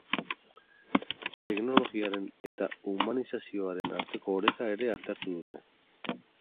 Teknologiaren eta humanizazioaren arteko oreka ere aztertu dute.